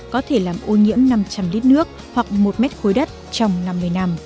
có thể làm ô nhiễm năm trăm linh lít nước hoặc một mét khối đất trong năm mươi năm